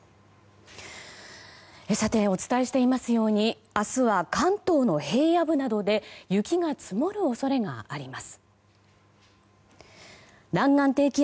さて、お伝えしていますように明日は関東の平野部などで雪が積もる恐れがあります。